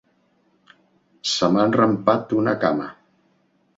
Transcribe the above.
Se m'ha enrampat una cama.